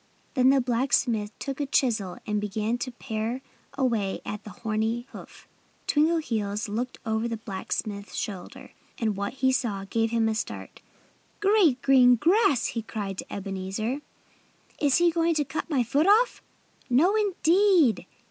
Then the blacksmith took a chisel and began to pare away at the horny hoof. Twinkleheels looked over the blacksmith's shoulder. And what he saw gave him a start. "Great green grass!" he cried to Ebenezer. "Is he going to cut my foot off?" "No, indeed!"